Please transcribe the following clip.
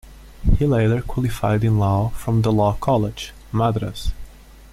He later qualified in Law from the Law College, Madras.